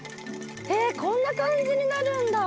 へえこんな感じになるんだ。